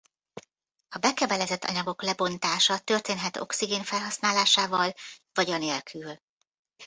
A bekebelezett anyagok lebontása történhet oxigén felhasználásával vagy anélkül.